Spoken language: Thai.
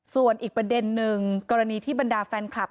ส่วนอีกประเด็นนึงกรณีที่บรรดาแฟนคลับ